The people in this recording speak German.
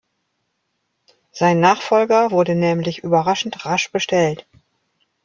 Sein Nachfolger wurde nämlich überraschend rasch bestellt.